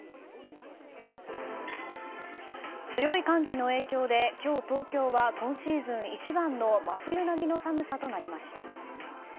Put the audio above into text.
強い寒気の影響で今日、東京は今シーズン一番の真冬並みの寒さとなりました。